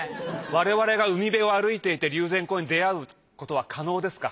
我々が海辺を歩いていて龍涎香に出会うことは可能ですか？